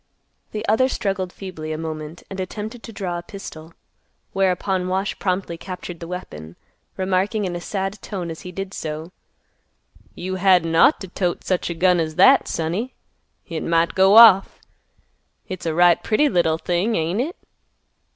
The other struggled feebly a moment and attempted to draw a pistol, whereupon Wash promptly captured the weapon, remarking in a sad tone as he did so, "You hadn't ought t' tote such a gun as that, sonny; hit might go off. Hit's a right pretty little thing, ain't hit?"